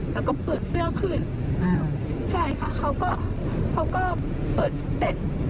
แล้วก็เปิดเสื้อขึ้นใช่ค่ะเขาก็เปิดเสร็จ